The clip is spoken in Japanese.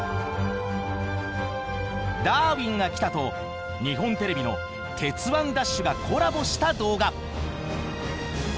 「ダーウィンが来た！」と日本テレビの「鉄腕！ＤＡＳＨ！！」がコラボした動画。